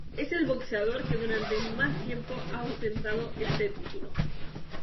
Es el boxeador que durante más tiempo ha ostentado este título.